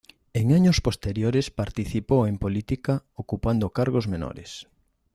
En años posteriores participó en política ocupando cargos menores.